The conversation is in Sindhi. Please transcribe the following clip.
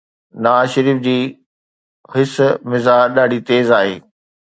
نواز شريف جي حس مزاح ڏاڍي تيز آهي.